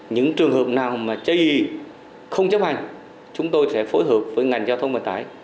những trường hợp nào mà chế y không chấp hành chúng tôi sẽ phối hợp với ngành giao thông bản tải